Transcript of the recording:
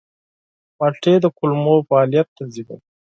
مالټې د کولمو فعالیت تنظیموي.